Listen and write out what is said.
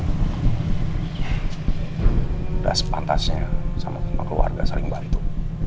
udah sepantasnya sama keluarga saling bantu